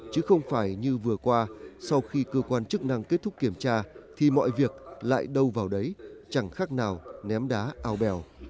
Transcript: chứ không phải như vừa qua sau khi cơ quan chức năng kết thúc kiểm tra thì mọi việc lại đâu vào đấy chẳng khác nào ném đá ao bèo